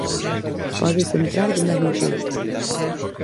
Pódese entrar do mesmo xeito.